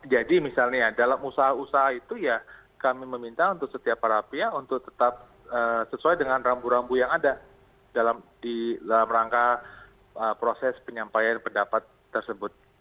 jadi misalnya dalam usaha usaha itu ya kami meminta untuk setiap para pihak untuk tetap sesuai dengan rambu rambu yang ada dalam rangka proses penyampaian pendapat tersebut